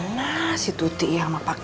nah kalau pak